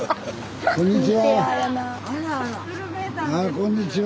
こんにちは。